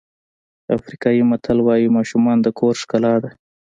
افریقایي متل وایي ماشومان د کور ښکلا ده.